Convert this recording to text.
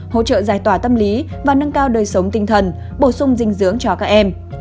hỗ trợ giải tỏa tâm lý và nâng cao đời sống tinh thần bổ sung dinh dưỡng cho các em